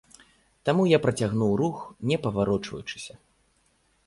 Таму я працягнуў рух, не паварочваючыся.